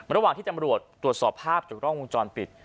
ระหว่างที่ตำรวจตรวจสอบภาพจากกล้องวงจรปิด